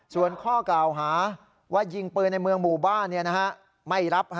ส่วนข้อกล่าวหาว่ายิงปืนในเมืองหมู่บ้านไม่รับ